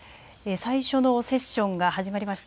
最初のセッションが始まりました。